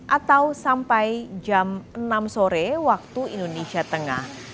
atau sampai jam enam sore waktu indonesia tengah